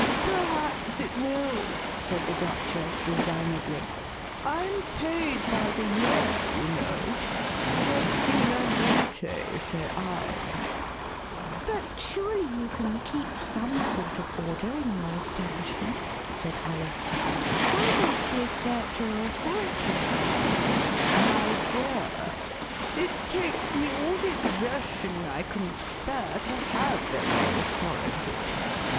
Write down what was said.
Perhaps it will," said the Duchess resignedly. *' Tm paid by the year, you know. Festina lentCy In But surely you can keep some sort of order in your Establishment.'*" said Alice. Why don't you exert your authority }"My dear, it takes me all the exertion I can spare to have any authority.